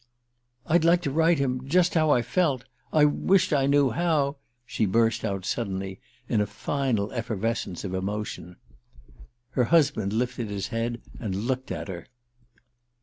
"I'd like to write him just how I felt I wisht I knew how!" she burst out suddenly in a final effervescence of emotion. Her husband lifted his head and looked at her.